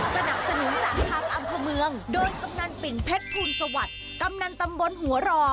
สนับสนุนจากทางอำเภอเมืองโดยกำนันปิ่นเพชรภูลสวัสดิ์กำนันตำบลหัวรอ